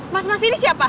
mas mas ini siapa